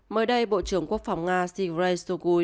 mới đây bộ trưởng quốc phòng nga sergei zelensky